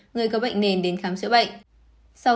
người có bệnh nền đến khám chữa bệnh